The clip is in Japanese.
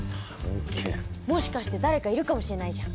もしかして誰かいるかもしれないじゃん。